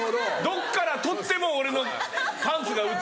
どっから撮っても俺のパンツが映るんです。